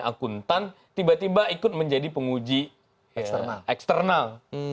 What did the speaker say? pak kuntan tiba tiba ikut menjadi penguji eksternal